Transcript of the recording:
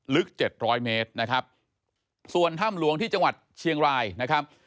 เจ็ดร้อยเมตรนะครับส่วนถ้ำหลวงที่จังหวัดเชียงรายนะครับ